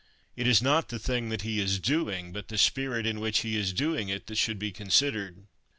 It is not the thing that he is doing, but the spirit in which he is doing it, that should be considered.